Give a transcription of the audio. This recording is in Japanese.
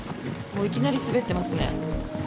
いきなり滑っていますね。